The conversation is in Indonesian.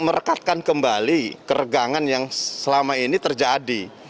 merekatkan kembali keregangan yang selama ini terjadi